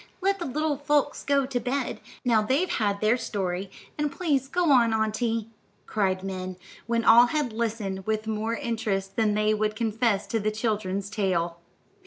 Let the little folks go to bed, now they've had their story, and please go on, auntie," cried Min, when all had listened with more interest than they would confess to the children's tale.